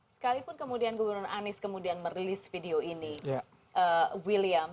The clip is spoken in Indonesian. sekalipun kemudian gubernur anies kemudian merilis video ini william